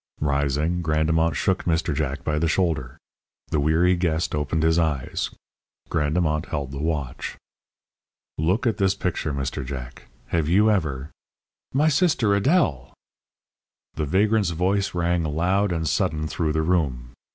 Rising, Grandemont shook Mr. Jack by the shoulder. The weary guest opened his eyes. Grandemont held the watch. "Look at this picture, Mr. Jack. Have you ever " "My sister Adèle!" The vagrant's voice rang loud and sudden through the room.